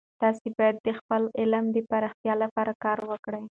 تاسې باید د خپل علم د پراختیا لپاره کار وکړئ.